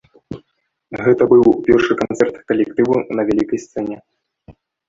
Гэта быў першы канцэрт калектыву на вялікай сцэне.